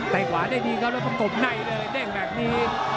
แต่ขวาได้ดีเขาแล้วประกบในเลยเด้งแบบนี้